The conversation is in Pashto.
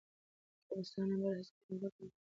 زه به ستا نمبر هیڅکله ورک نه کړم.